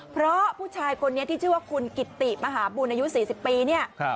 เพราะผู้ชายคนนี้ที่ชื่อว่าคุณกิตติมหาบุญอายุ๔๐ปีเนี่ย